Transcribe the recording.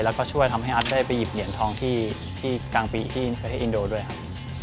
แล้วก็ช่วยทำให้อาร์ตได้ไปหยิบเหรียญทองที่กลางปีที่ประเทศอินโดด้วยครับ